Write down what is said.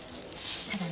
ただね